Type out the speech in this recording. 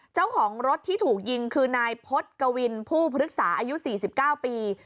เจ้าของรถที่ถูกยิงคือนายพฤษกวินผู้พฤกษาอายุ๔๙ปี